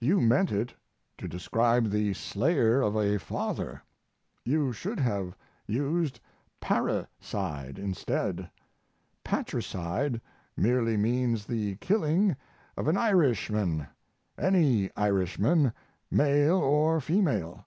You meant it to describe the slayer of a father; you should have used "parricide" instead. Patricide merely means the killing of an Irishman any Irishman, male or female.